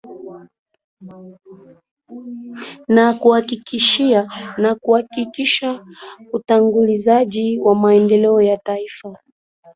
na kuhakikisha utangulizaji wa maendeleo ya kitaifa